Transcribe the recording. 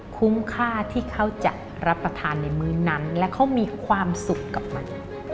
คุ้มค่าที่เขาจะรับประทานในมื้อนั้นและเขามีความสุขกับมัน